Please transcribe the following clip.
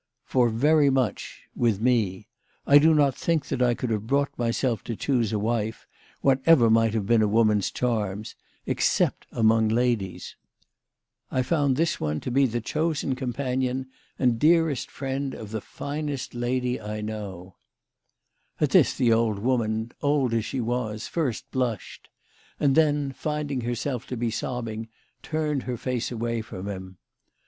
" For very much with me. I do not think that I could have brought myself to choose a wife, whatever might have been a woman's charms, except among ladies. I found this one to be the chosen com THE LADY OF LAUNAY. 179 panion and dearest friend of the finest lady I know." At this the old woman, old as she was, first blushed, and then, finding herself to be sobbing, turned her face away from him.